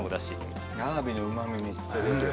アワビのうま味めっちゃ出てる。